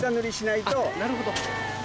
なるほど。